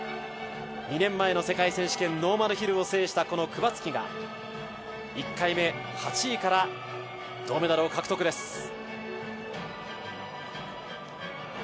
２年前の世界選手権ノーマルヒルを制したこのクバツキが１回目、８位から銅メダルを獲得です